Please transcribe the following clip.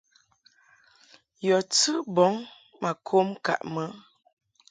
Yɔ̀ tɨ bɔŋ mà kom ŋkàʼ mɨ.